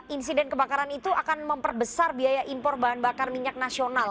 insiden kebakaran itu akan memperbesar biaya impor bahan bakar minyak nasional